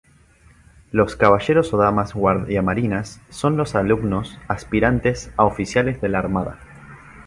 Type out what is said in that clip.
Los caballeros o damas guardiamarinas son los alumnos aspirantes a oficiales de la Armada.